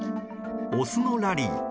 オスのラリー。